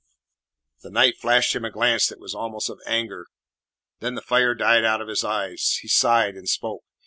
The knight flashed him a glance that was almost of anger. Then the fire died out of his eyes; he sighed and spoke.